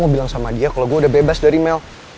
mau bilang sama dia kalau gue udah bebas dari mel